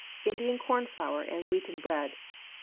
Indian Corn Flour and Wheaten Bread.